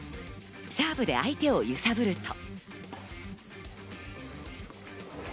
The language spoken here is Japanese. サーブで相手を揺さぶると。